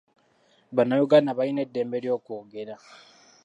Bannayuganda balina eddembe ly'okwogera.